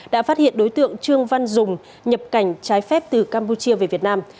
đã phát hiện đối tượng trương văn dùng nhập cảnh trái phép từ campuchia về việt nam